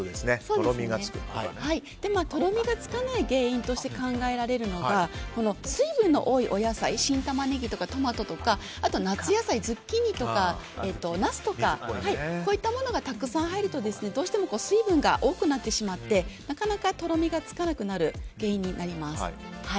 とろみがつかない原因として考えられるのが水分の多いお野菜新タマネギとか、トマトとかあと、夏野菜ズッキーニとかナスとかがたくさん入るとどうしても水分が多くなってしまってなかなかとろみがつかなくなる原因になります。